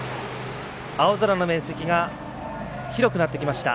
青空の面積が広くなってきました。